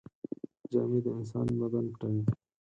جامې د انسان بدن پټوي.